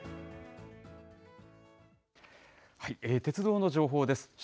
鉄道の情報です。